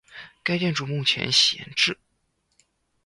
该建筑目前闲置。